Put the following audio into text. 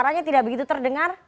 suaranya tidak begitu terdengar